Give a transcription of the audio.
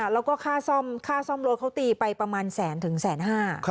แล้วก็ค่าซ่อมค่าซ่อมรถเขาตีไปประมาณแสนถึงแสนห้า